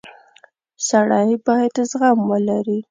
• سړی باید زغم ولري.